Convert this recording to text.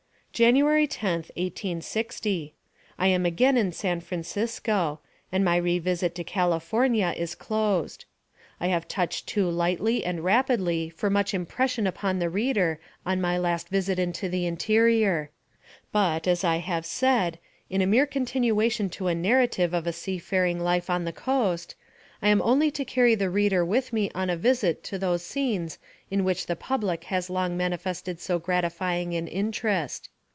January 10th, 1860. I am again in San Francisco, and my revisit to California is closed. I have touched too lightly and rapidly for much impression upon the reader on my last visit into the interior; but, as I have said, in a mere continuation to a narrative of a sea faring life on the coast, I am only to carry the reader with me on a visit to those scenes in which the public has long manifested so gratifying an interest.